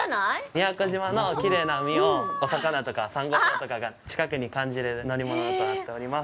宮古島のきれいな海をお魚とか、サンゴ礁とかが近くに感じられる乗り物となっております。